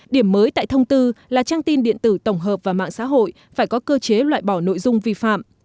điểm mới tại thông tư là trang tin điện tử tổng hợp và mạng xã hội phải có cơ chế loại bỏ nội dung vi phạm